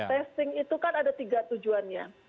testing itu kan ada tiga tujuannya